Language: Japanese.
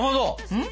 うん？